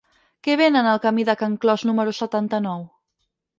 Què venen al camí de Can Clos número setanta-nou?